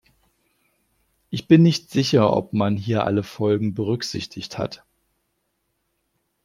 Ich bin nicht sicher, ob man hier alle Folgen berücksichtigt hat.